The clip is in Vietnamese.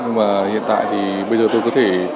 nhưng hiện tại tôi có thể